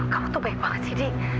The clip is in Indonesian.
kamu tuh baik banget sih di